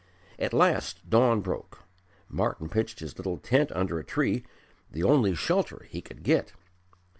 At last dawn broke. Martyn pitched his little tent under a tree, the only shelter he could get.